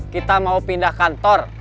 kita mau pindah kantor